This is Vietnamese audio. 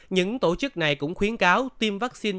những tổ chức này cũng khuyến cáo tiêm vaccine